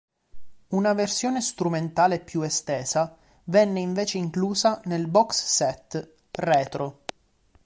Una versione strumentale più estesa venne invece inclusa nel box set "Retro".